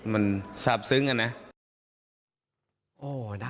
มันทราบซึ้งอะนะ